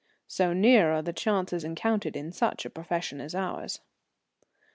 So near are the chances encountered in such a profession as ours.